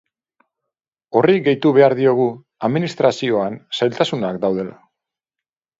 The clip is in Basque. Horri gehitu behar diogu administrazioan zailtasunak daudela.